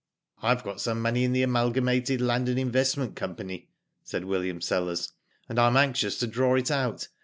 " I've got some money in the Amalgamated Land and Investment Company," said William Sellers, " and I am anxious to draw it out.